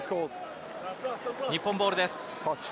日本ボールです。